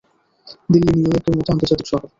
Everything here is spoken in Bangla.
দিল্লি নিউইয়র্কের মতো আন্তর্জাতিক শহর।